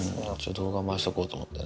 動画回しておこうと思って。